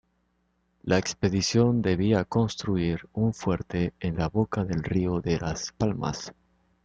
La expedición debía construir un fuerte en la boca del río de las Palmas.